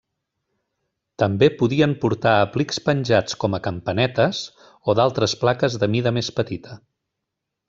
També podien portar aplics penjats com a campanetes o d'altres plaques de mida més petita.